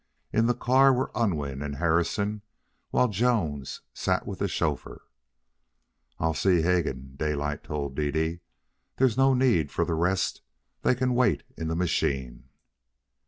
In the car were Unwin and Harrison, while Jones sat with the chauffeur. "I'll see Hegan," Daylight told Dede. "There's no need for the rest. They can wait in the machine."